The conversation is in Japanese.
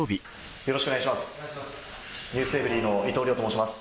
よろしくお願いします。